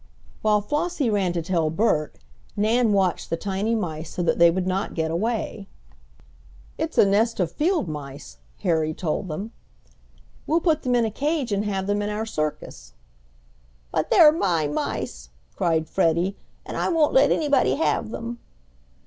While Flossie ran to tell Bert, Nan watched the tiny mice so that they would not get away. "It's a nest of field mice," Harry told them. "We'll put them in a cage and have them in our circus." "But they're my mice," cried Freddie, "and I won't let anybody have them!"